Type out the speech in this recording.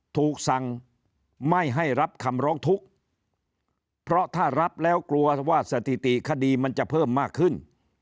ถูกสั่งไม่ให้รับคำร้องทุกข์เพราะถ้ารับแล้วกลัวว่าสถิติคดีมันจะเพิ่มมากขึ้น